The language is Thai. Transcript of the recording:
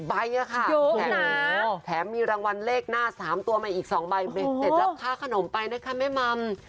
ใบค่ะแถมมีรางวัลเลขหน้า๓ตัวใหม่อีก๒ใบเบรกเสร็จรับค่าขนมไปนะคะแม่มัม